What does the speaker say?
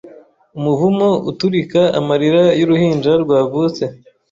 Umuvumo uturika amarira yuruhinja rwavutse